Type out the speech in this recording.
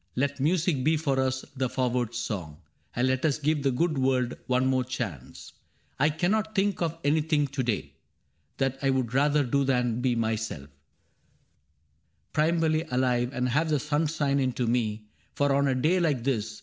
Let music be for us the forward song, And let us give the good world one more chance. '* I cannot think of anything to day That I would rather do than be myself, Primevally alive, and have the sun Shine into me ; for on a day like this.